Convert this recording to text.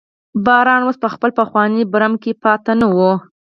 باران اوس په خپل پخواني برم کې پاتې نه و.